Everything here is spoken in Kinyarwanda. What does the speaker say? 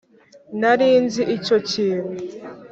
nari nzi icyo kintu.